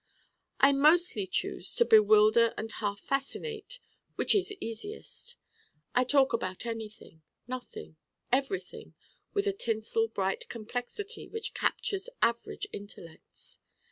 I mostly choose to bewilder and half fascinate which is easiest: I talk about anything, nothing, everything with a tinsel bright complexity which captures average intellects.